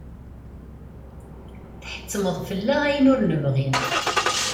Tḥettmeḍ fell-aɣ ayen ur nebɣi.